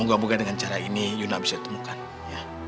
moga moga dengan cara ini yuna bisa ditemukan ya